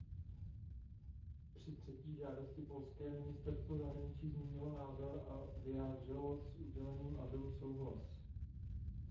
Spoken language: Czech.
Při třetí žádosti polské Ministerstvo zahraničí změnilo názor a vyjádřilo s udělením azylu souhlas.